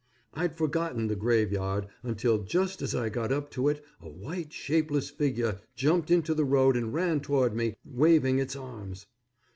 I'd forgotten the graveyard until just as I got up to it a white, shapeless figure jumped into the road and ran toward me, waving its arms.